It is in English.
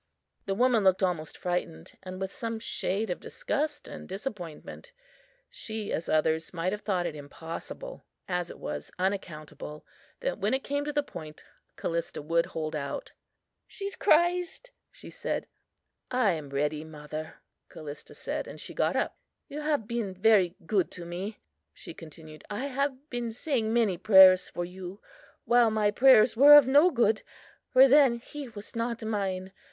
The woman looked almost frightened, and with some shade of disgust and disappointment. She, as others, might have thought it impossible, as it was unaccountable, that when it came to the point Callista would hold out. "She's crazed," she said. "I am ready, mother," Callista said, and she got up. "You have been very good to me," she continued; "I have been saying many prayers for you, while my prayers were of no good, for then He was not mine.